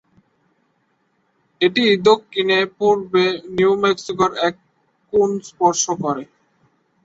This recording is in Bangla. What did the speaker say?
এটি দক্ষিণ-পূর্বে নিউ মেক্সিকোর এক কোণ স্পর্শ করে।